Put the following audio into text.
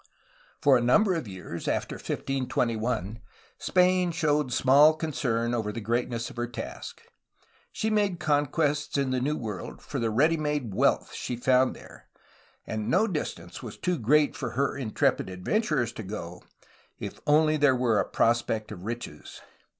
For a number of years after 1521 Spain showed small concern over the greatness of her task. She made conquests in the New World for the ready made wealth she found there, and no distance was too great for her intrepid adventurers to go, if only there were a prospect of riches.